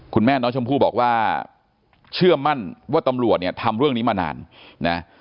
คุณแม่น้องชมพู่บอกว่าเชื่อมั่นว่าตำรวจเนี่ยทำเรื่องนี้มานานนะ